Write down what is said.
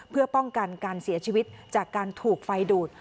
เพื่อป้องกันการเสียชีวิตจากการถูกไฟดูด